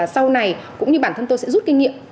sau này cũng như bản thân tôi sẽ rút kinh nghiệm